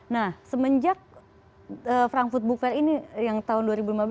nah semenjak frankfurt book fair ini yang tahun dua ribu lima belas